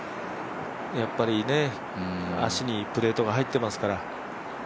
やっぱり、足にプレートが入ってますから。